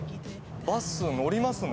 バス乗りますね。